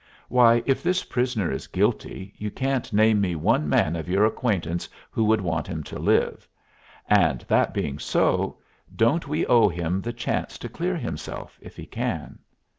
Why, if this prisoner is guilty, you can't name me one man of your acquaintance who would want him to live. And that being so, don't we owe him the chance to clear himself if he can?